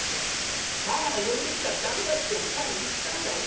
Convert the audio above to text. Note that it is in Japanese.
だから呼んできちゃ駄目だっておっ母ぁに言ったんだ。